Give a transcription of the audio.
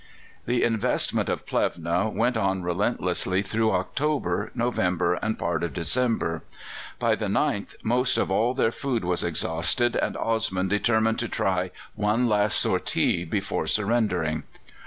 The investment of Plevna went on relentlessly through October, November, and part of December. By the 9th almost all their food was exhausted, and Osman determined to try one last sortie before surrendering.